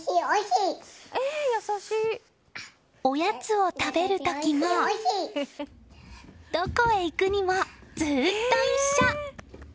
おやつを食べる時もどこへ行くにもずっと一緒。